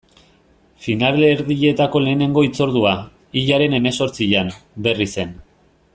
Finalerdietako lehenengo hitzordua, hilaren hemezortzian, Berrizen.